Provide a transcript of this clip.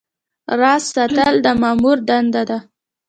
راز ساتل د مامور دنده ده